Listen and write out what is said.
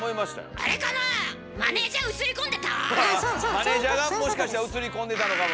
マネージャーがもしかしたら映り込んでたのかも。